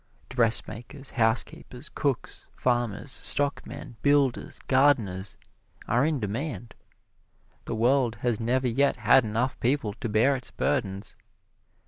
Dressmakers, housekeepers, cooks, farmers, stockmen, builders, gardeners, are in demand. The world has never yet had enough people to bear its burdens.